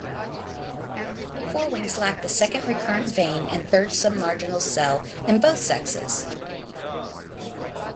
The forewings lack the second recurrent vein and third submarginal cell in both sexes.